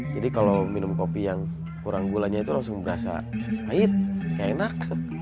jadi kalau minum kopi yang kurang gulanya itu langsung berasa pahit kayak enak